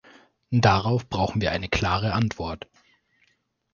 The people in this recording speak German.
Darauf brauchen wir eine klare Antwort.